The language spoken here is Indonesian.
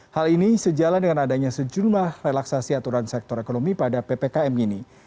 hal ini sejalan dengan adanya sejumlah relaksasi aturan sektor ekonomi pada ppkm ini